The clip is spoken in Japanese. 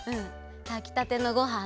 たきたてのごはんと。